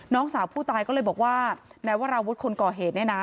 น้องสาวผู้ตายก็เลยบอกว่านายวราวุฒิคนก่อเหตุเนี่ยนะ